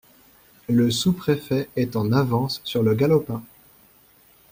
Le sous-préfet est en avance sur le galopin!